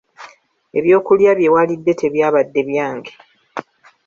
Ebyokulya bye walidde tebyabadde byange.